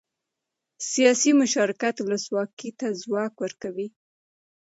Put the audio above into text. سیاسي مشارکت ولسواکۍ ته ځواک ورکوي